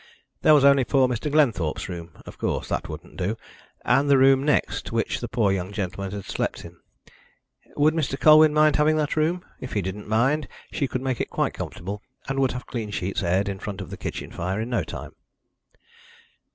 There was only poor Mr. Glenthorpe's room of course, that wouldn't do and the room next, which the poor young gentleman had slept in. Would Mr. Colwyn mind having that room? If he didn't mind, she could make it quite comfortable, and would have clean sheets aired in front of the kitchen fire in no time.